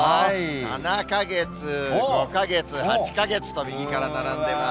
７か月、５か月、８か月と右から並んでます。